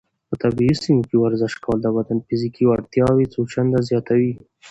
په طبیعي سیمو کې ورزش کول د بدن فزیکي وړتیاوې څو چنده زیاتوي.